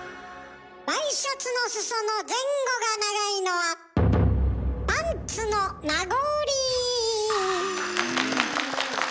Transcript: ワイシャツの裾の前後が長いのはパンツの名残。